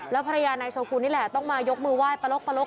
ภรรยานายโชกุลนี่แหละต้องมายกมือไหว้ปลก